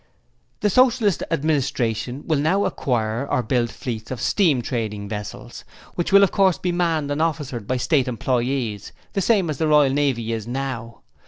'The Socialist Administration will now acquire or build fleets of steam trading vessels, which will of course be manned and officered by State employees the same as the Royal Navy is now.